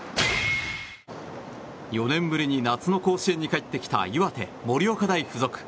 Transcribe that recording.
４年ぶりに夏の甲子園に帰ってきた岩手、盛岡大付属。